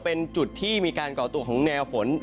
เป็นจุดที่มีการก่อตัวของแนวฝน